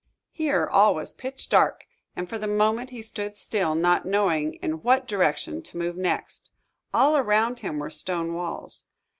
Here all was pitch dark, and for the moment he stood still, not knowing in what direction to move next. All around him were stone walls.